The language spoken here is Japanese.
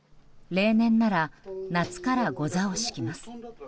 例年なら夏からござを敷きます。